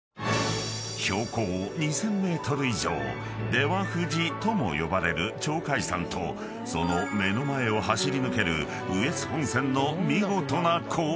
［出羽富士とも呼ばれる鳥海山とその目の前を走り抜ける羽越本線の見事な構図］